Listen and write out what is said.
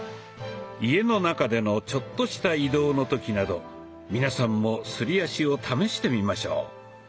家の中でのちょっとした移動の時など皆さんもすり足を試してみましょう。